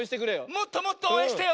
もっともっとおうえんしてよ。